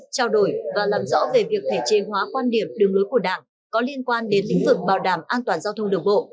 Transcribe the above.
trao đổi và làm rõ về việc thể chế hóa quan điểm đường lối của đảng có liên quan đến lĩnh vực bảo đảm an toàn giao thông đường bộ